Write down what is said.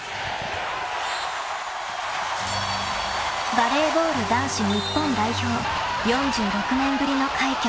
［バレーボール男子日本代表４６年ぶりの快挙］